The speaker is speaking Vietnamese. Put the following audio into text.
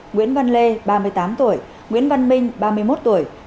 nguyễn văn lê ba mươi tám tuổi nguyễn văn minh ba mươi một tuổi